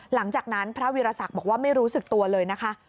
หลังจากนั้นพระวีรศักดิ์บอกว่าไม่รู้สึกตัวเลยนะคะ